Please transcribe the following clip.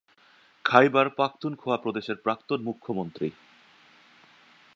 খাইবার পাখতুনখোয়া প্রদেশের প্রাক্তন মুখ্যমন্ত্রী।